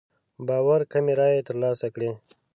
باور کمې رايې تر لاسه کړې.